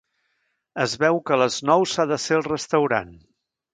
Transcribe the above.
Es veu que a les nou s'ha de ser al restaurant.